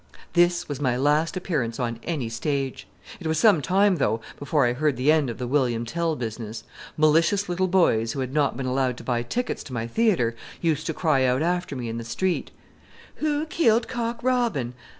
This was my last appearance on any stage. It was some time, though, before I heard the end of the William Tell business. Malicious little boys who had not been allowed to buy tickets to my theatre used to cry out after me in the street, "'Who killed Cock Robin?'